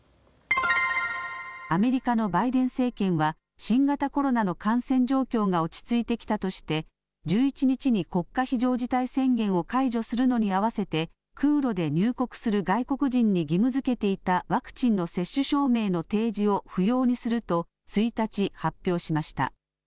アメリカのバイデン政権は新型コロナの感染状況が落ち着いてきたとして１１日に国家非常事態宣言を解除するのに合わせて空路で入国する外国人に義務づけていたワクチンの接種証明の提示を不要にすると１日、発表しました。